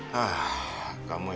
bapak ada masalah